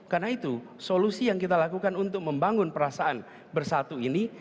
karena itu solusi yang kita lakukan untuk membangun perasaan bersatu ini